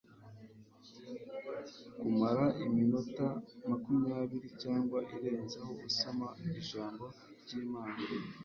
kumara iminota makumyabiri cyangwa irenzeho usoma ijambo ry imana